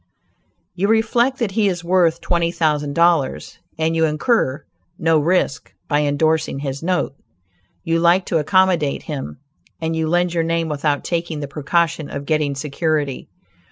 You reflect that he is worth twenty thousand dollars, and you incur no risk by endorsing his note; you like to accommodate him, and you lend your name without taking the precaution of getting security.